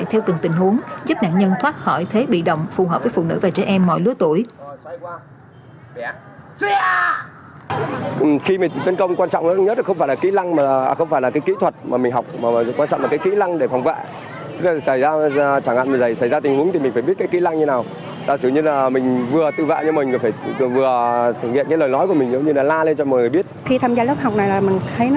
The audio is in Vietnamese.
theo từng tình huống giúp nạn nhân thoát khỏi thế bị động phù hợp với phụ nữ và trẻ em mọi lứa tuổi